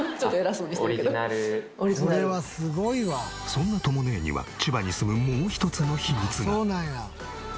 そんなとも姉には千葉に住むもう一つの秘密が。